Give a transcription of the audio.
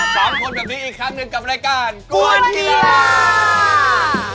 สามคนแบบนี้อีกครั้งหนึ่งกับรายการกวนกีฬา